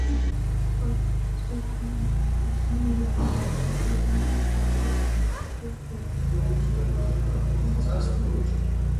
Պարկապզուկը ամենահին ժամանակներէն հայոց կենցաղի անբաժանելի մասը եղած է։